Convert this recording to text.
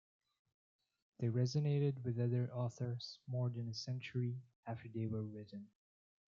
They resonated with other authors more than a century after they were written.